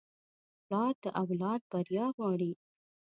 پلار د اولاد بریا غواړي.